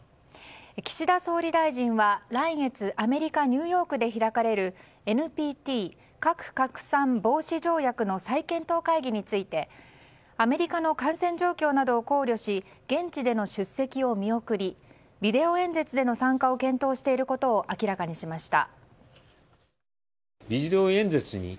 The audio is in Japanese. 岸田総理大臣は来月、アメリカ・ニューヨークで開かれるＮＰＴ・核拡散防止条約の再検討会議についてアメリカの感染状況などを考慮し現地での出席を見送りビデオ演説での参加を検討していることを明らかにしました。